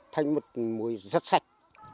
thành một muối rất sạch